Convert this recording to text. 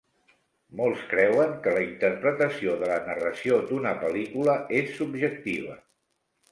Molts creuen que la interpretació de la narració d'una pel·lícula és subjectiva.